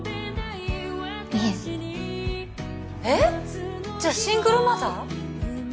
いええっ！？じゃシングルマザー？